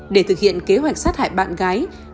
để thực hiện kế hoạch sát hại bạn gái